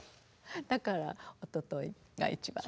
だからおとといが一番。